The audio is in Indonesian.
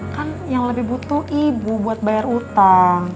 kan yang lebih butuh ibu buat bayar utang